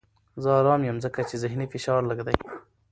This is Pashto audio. زه ارام یم ځکه چې ذهني فشار لږ دی.